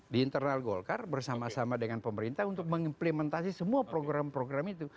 di internal golkar bersama sama dengan pemerintah untuk mengimplementasi semua program program itu